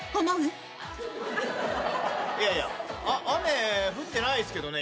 いやいや雨降ってないっすけどね